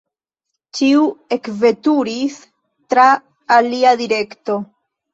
Ĉiu ekveturis tra alia direkto.